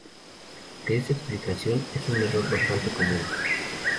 Aunque esta explicación es un error bastante común.